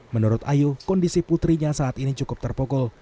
menurut ayu kondisi putrinya saat ini cukup terpukul